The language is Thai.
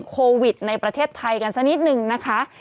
โควิดในประเทศไทยกันสักนิดนึงนะคะ